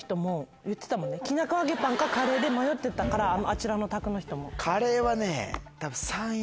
きなこ揚げパンかカレーで迷ってたからあちらの卓の人も。